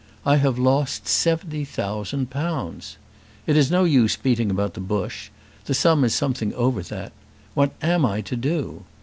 I have lost seventy thousand pounds! It is no use beating about the bush. The sum is something over that. What am I to do?